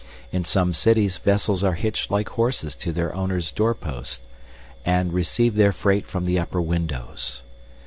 In some cities vessels are hitched like horses to their owners' doorposts and receive their freight from the upper windows.